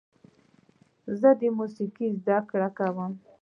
زه د موسیقۍ زده کړه کوم.